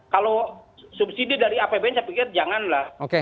kalau subsidi dari apbn saya pikir janganlah